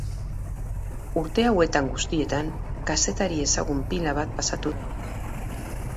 Urte hauetan guztietan kazetari ezagun pila bat pasatu da bertatik.